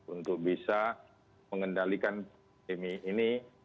untuk bisa mengendalikan ini